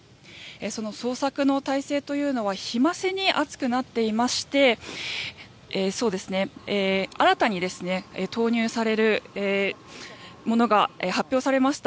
その捜索の態勢というのは日増しに厚くなっていまして新たに投入されるものが発表されました。